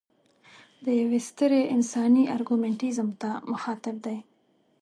د یوې سترې انساني ارګومنټیزم ته مخاطب دی.